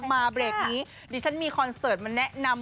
มาเบรกนี้ดิฉันมีคอนเสิร์ตมาแนะนำ